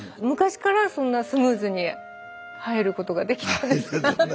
昔からそんなスムーズに入ることができたんですか？